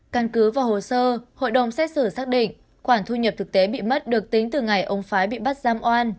căn cứ vào hồ sơ hội đồng xét xử xác định khoản thu nhập thực tế bị mất được tính từ ngày ông phái bị bắt giam oan